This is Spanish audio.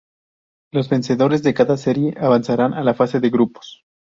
Los vencedores de cada serie avanzarán a la fase de grupos.